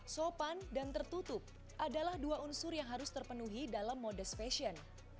sopan dan tertutup adalah dua unsur yang harus terpenuhi dalam modest fashion